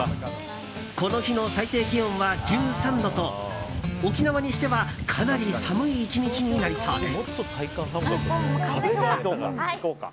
この日の最低気温は１３度と沖縄にしてはかなり寒い１日になりそうです。